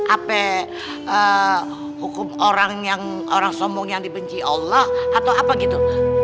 apa hukum orang yang orang sombong yang dibenci allah atau apa gitu